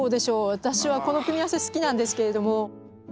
私はこの組み合わせ好きなんですけれども。